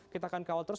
kita akan kawal terus